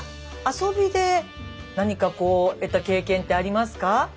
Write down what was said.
遊びで何かこう得た経験ってありますか？